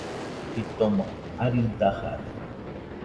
Jitoma arɨ dajade